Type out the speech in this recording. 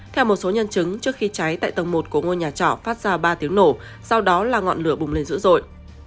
theo một số nhân chứng trước khi cháy tại tầng một của ngôi nhà trọ phát ra ba tiếng nổ sau đó là ngọn lửa bùng lên dữ dội